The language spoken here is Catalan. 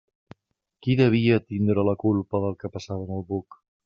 Qui devia tindre la culpa del que passava en el buc?